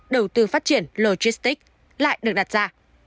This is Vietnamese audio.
đầu tư phát triển logistic lại được đặt ra